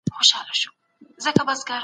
ملي شورا نظامي مداخله نه غواړي.